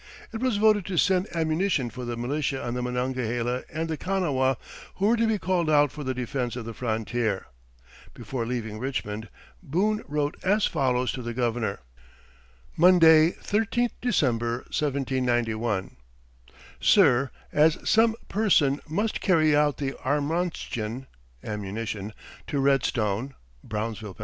It was voted to send ammunition for the militia on the Monongahela and the Kanawha, who were to be called out for the defense of the frontier. Before leaving Richmond, Boone wrote as follows to the governor: "Monday 13th Dec 1791 "Sir as sum purson Must Carry out the armantstion [ammunition] to Red Stone [Brownsville, Pa.